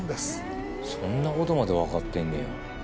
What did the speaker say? そんなことまで分かってんねや。